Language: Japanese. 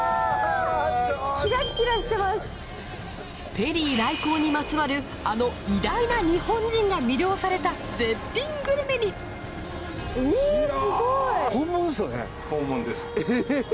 ペリー来航にまつわるあの偉大な日本人が魅了された絶品グルメに本物です。